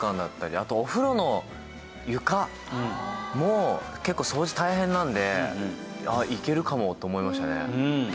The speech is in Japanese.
あとお風呂の床も結構掃除大変なのであっいけるかも！と思いましたね。